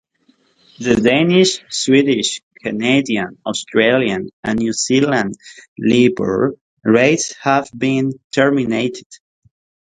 The Danish, Swedish, Canadian, Australian and New Zealand Libor rates have been terminated.